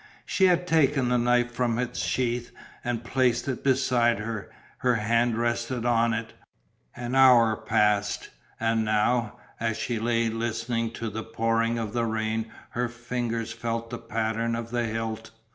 She had taken the knife from its sheath and placed it beside her, her hand rested on it. An hour passed, and now, as she lay listening to the pouring of the rain her fingers felt the pattern of the hilt.